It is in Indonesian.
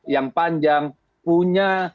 yang panjang punya